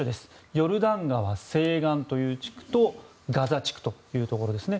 ヨルダン川西岸という地区とガザ地区というところですね。